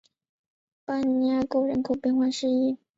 巴尼厄沟人口变化图示